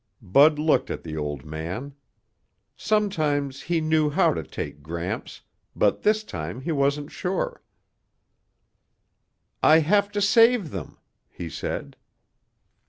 Bud looked at the old man. Sometimes he knew how to take Gramps, but this time he wasn't sure. "I have to save them," he said.